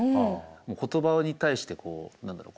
もう言葉に対してこう何だろう